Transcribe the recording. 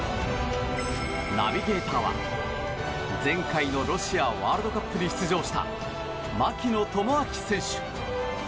ナビゲーターは前回のロシアワールドカップに出場した、槙野智章選手。